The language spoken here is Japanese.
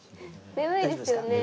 眠いですよね。